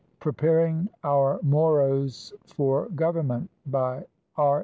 PREPARING OUR MOROS FOR GOVERNMENT BY R.